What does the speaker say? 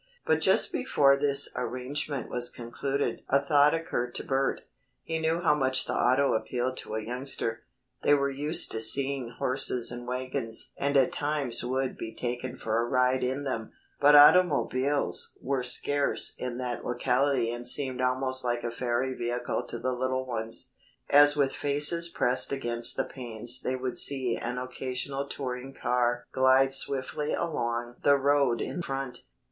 But just before this arrangement was concluded a thought occurred to Bert. He knew how much the auto appealed to a youngster. They were used to seeing horses and wagons and at times would be taken for a ride in them, but automobiles were scarce in that locality and seemed almost like a fairy vehicle to the little ones, as with faces pressed against the panes they would see an occasional touring car glide swiftly along the road in front.